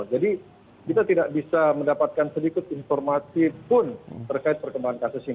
jadi kita tidak bisa mendapatkan sedikit informasi pun terkait perkembangan kasus ini